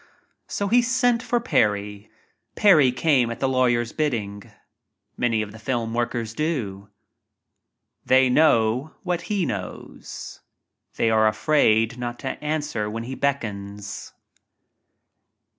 So he sent for Parry. Parry came at the lawyer's bidding. Many of the film workers do. They know what he knows. They are afraid not to answer when he beckons.